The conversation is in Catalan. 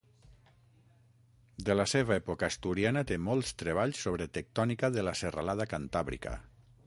De la seva època asturiana té molts treballs sobre tectònica de la serralada cantàbrica.